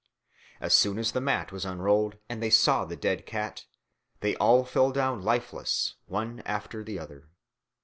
As soon as the mat was unrolled and they saw the dead cat, they all fell down lifeless one after the other.